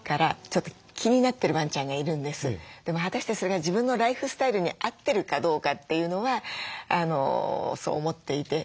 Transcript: でも果たしてそれが自分のライフスタイルに合ってるかどうかというのはそう思っていて。